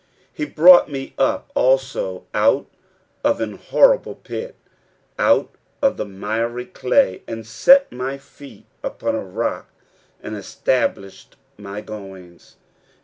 2 He brought me up also out of an horrible pit, out of the miry clay, and set my feet upon a rock, and established my goings.